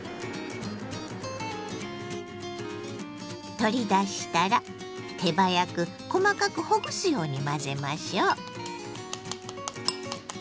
取り出したら手早く細かくほぐすように混ぜましょう。